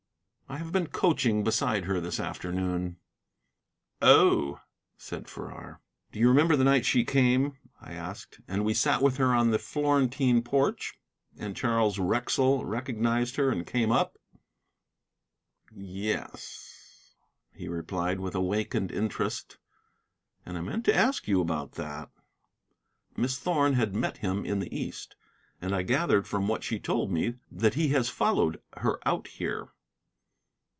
"I have been coaching beside her this afternoon." "Oh!" said Farrar. "Do you remember the night she came," I asked, "and we sat with her on the Florentine porch, and Charles Wrexell recognized her and came up?" "Yes," he replied with awakened interest, "and I meant to ask you about that." "Miss Thorn had met him in the East. And I gathered from what she told me that he has followed her out here."